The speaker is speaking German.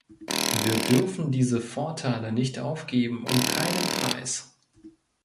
Wir dürfen diese Vorteile nicht aufgeben, um keinen Preis.